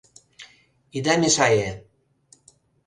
Ида мешае!